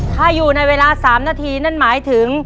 ถ้าอยู่ในเวลา๓นาทีนั่นหมายถึง